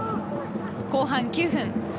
後半９分。